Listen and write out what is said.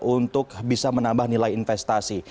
untuk bisa menambah nilai investasi